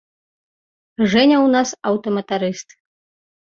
Жэня ў нас аўтаматарыст.